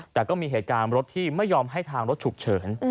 แต่ก็มีเหตุการณ์รถที่ไม่ยอมให้ทางรถฉุกเฉิน